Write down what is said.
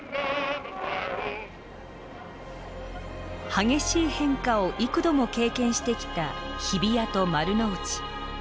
激しい変化を幾度も経験してきた日比谷と丸の内。